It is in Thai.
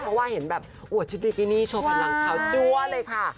เพราะว่าเห็นแบบอวดชุดบิกินี่โชว์พลังเขาจัวเลยค่ะ